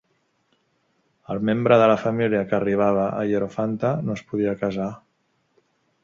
El membre de la família que arribava a hierofanta no es podia casar.